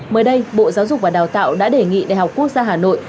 mới đây bộ giáo dục và đào tạo đã đề nghị đại học quốc gia hà nội